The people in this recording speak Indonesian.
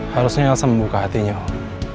harusnya langsung membuka hatinya om